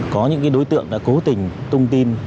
có những đối tượng đã cố tình tung tin